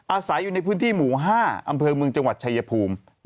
อาศัยอยู่ในพื้นที่หมู่๕อำเภอเมืองจังหวัดชายภูมิ